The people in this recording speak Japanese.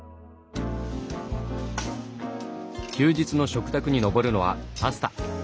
休日の食卓に上るのはパスタ。